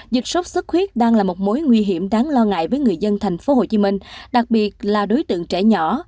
dịch sốt xuất huyết đang là một mối nguy hiểm đáng lo ngại với người dân tp hcm đặc biệt là đối tượng trẻ nhỏ